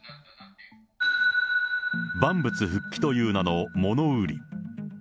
万物復帰という名の物売り。